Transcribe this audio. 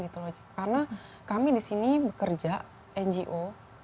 karena kami di sini bekerja ngo